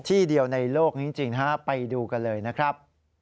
ที่เดียวในโลกจริงไปดูกันเลยนะครับ